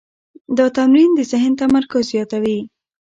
دا تمرین د ذهن تمرکز زیاتوي.